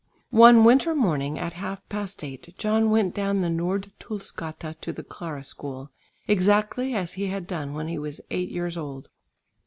One winter morning at half past eight, John went down the Nordtullsgata to the Clara School, exactly as he had done when he was eight years old.